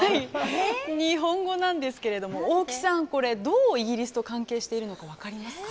日本語なんですけれども大木さん、これはどうイギリスと関係しているのか分かりますか？